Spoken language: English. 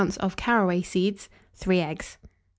of caraway seeds, 3 eggs.